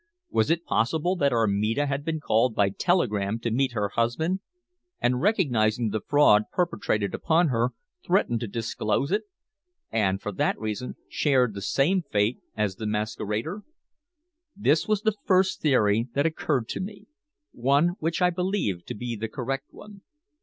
Was it possible that Armida had been called by telegram to meet her husband, and recognizing the fraud perpetrated upon her threatened to disclose it and, for that reason, shared the same fate as the masquerader? This was the first theory that occurred to me; one which I believed to be the correct one.